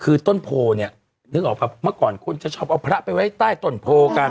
คือต้นโพเนี่ยนึกออกป่ะเมื่อก่อนคนจะชอบเอาพระไปไว้ใต้ต้นโพกัน